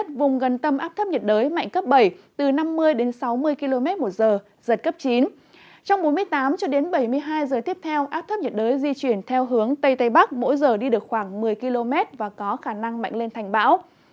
từ năm một nghìn chín trăm bốn mươi tám cho đến bảy mươi hai giờ tiếp theo áp thấp nhiệt đới di chuyển theo hướng tây tây bắc mỗi giờ đi được khoảng một mươi km và có khả năng mạnh lên thành bão